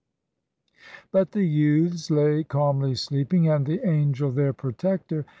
But the youths lay calmly sleeping; And the angel, their protector.